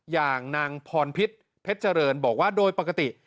อย่างนางพรพิษเพชรเจริญบอกว่าโดยปกติ